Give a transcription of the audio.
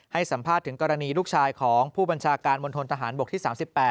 ให้สัมภาษณ์ถึงกรณีลูกชายของผู้บัญชาการมณฑนทหารบกที่๓๘